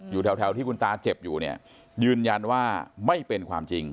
อยู่แถวที่คุณตาเจ็บอยู่เนี่ยยืนยันว่าไม่เป็นความจริง